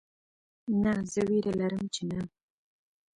نه زه ویره لرم چې نه